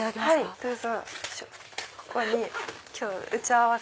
どうぞ。